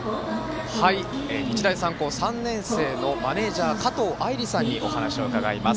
日大三高、３年生のマネージャー、加藤愛莉さんにお話を伺います。